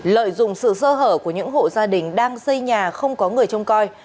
lợi dụng sự sơ hở của những hộ gia đình đang xây nhà không có người trông coi